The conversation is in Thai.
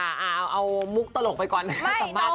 ค่ะเอามุกตลกไปก่อนนะคะสัมมาติไป